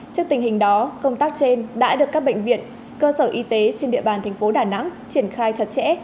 trước tình hình đó công tác trên đã được các bệnh viện cơ sở y tế trên địa bàn tp hcm triển khai chặt chẽ